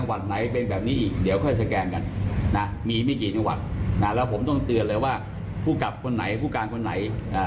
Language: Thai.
ประบอบต้องลงมาเองก็ไม่ต้องมีคู่กลางคู่ขึ้นคำ